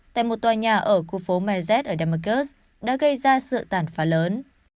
tại một tòa nhà ở khu phố mezhet ở damascus đã gây ra sự tàn phá lớn